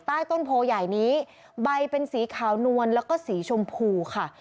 ใต้ต้นโพใหญ่นี้ใบเป็นสีขาวนวลแล้วก็สีชมพูค่ะ